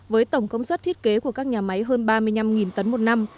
với tổng công suất thiết kế của các nhà máy hơn ba mươi năm tấn một năm